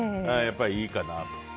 やっぱりいいかなと。